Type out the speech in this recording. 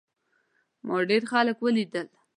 ما ډېر خلک ولیدل.